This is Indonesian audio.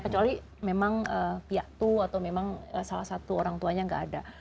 kecuali memang piatu atau memang salah satu orang tuanya nggak ada